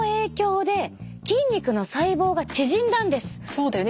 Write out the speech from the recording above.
そうだよね。